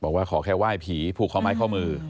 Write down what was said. บอกว่าขอแค่ไหว้ผีผูกข้อไม้ข้อมือ